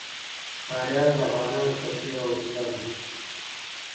فاریاب د افغانانو د تفریح یوه وسیله ده.